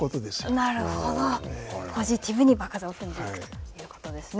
ポジティブに場数を踏んでいくということですね。